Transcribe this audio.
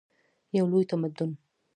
یو لوی تمدن.